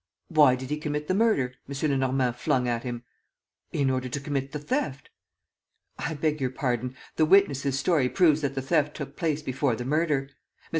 ..." "Why did he commit the murder?" M. Lenormand flung at him. "In order to commit the theft." "I beg your pardon; the witnesses' story proves that the theft took place before the murder. Mr.